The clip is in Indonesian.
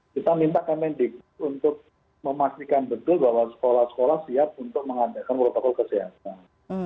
kita minta kemendikbud untuk memastikan betul bahwa sekolah sekolah siap untuk mengadakan protokol kesehatan